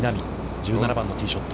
１７番のティーショット。